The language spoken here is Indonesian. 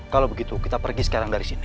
kalau begitu kita pergi sekarang dari sini